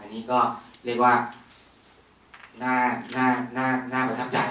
อันนี้ก็เรียกว่าน่าประทับใจ